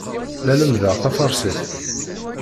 La lemmdeɣ tafarsit.